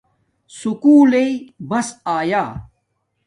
سکُول لݵ بس آیا